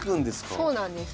そうなんです。